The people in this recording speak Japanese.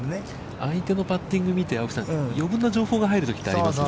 相手のパッティングを見て、青木さん、余分な情報が入るときってありますよね。